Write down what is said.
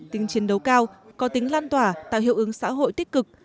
tính chiến đấu cao có tính lan tỏa tạo hiệu ứng xã hội tích cực